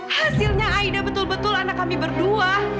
hasilnya aida betul betul anak kami berdua